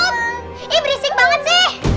ih berisik banget sih